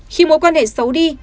khi mối quan hệ xấu đi